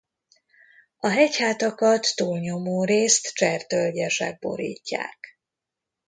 A hegyhátakat túlnyomórészt csertölgyesek borítják.